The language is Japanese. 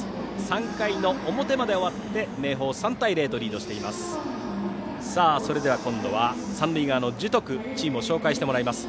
３回の表まで終わって明豊、３対０とリードしています。